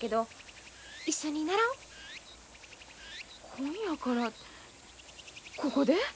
今夜からここで？